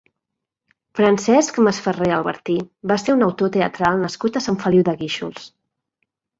Francesc Masferrer Albertí va ser un autor teatral nascut a Sant Feliu de Guíxols.